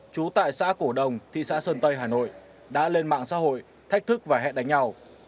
trú tại xã cổ đồng thị xã sơn tây hà nội đã lên mạng xã hội thách thức và hẹn đánh nhau